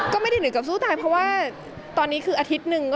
ก็ไม่ได้เหนือกับสู้ตายเพราะว่าตอนนี้คืออาทิตย์หนึ่ง